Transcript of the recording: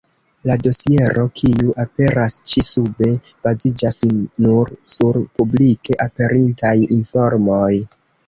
La dosiero, kiu aperas ĉi-sube, baziĝas nur sur publike aperintaj informoj.